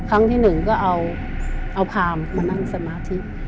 ครั้งที่หนึ่งก็เอาพามมานั่งสมาธิ